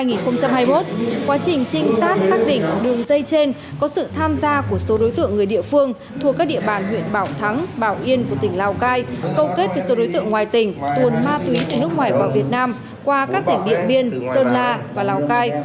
quá trình trinh sát xác định đường dây trên có sự tham gia của số đối tượng người địa phương thuộc các địa bàn huyện bảo thắng bảo yên của tỉnh lào cai câu kết về số đối tượng ngoài tỉnh tuồn ma túy từ nước ngoài vào việt nam qua các tỉnh điện biên sơn la và lào cai